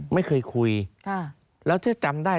ไม่เคยคุยแล้วถ้าจำได้